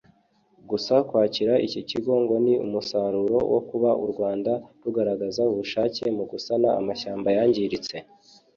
Gusa kwakira iki kigo ngo ni umusaruro wo kuba u Rwanda rugaragaza ubushake mu gusana amashyamba yangiritse